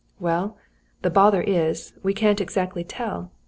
"Well, the bother is, we can't exactly tell.